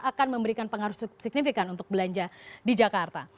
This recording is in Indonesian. akan memberikan pengaruh signifikan untuk belanja di jakarta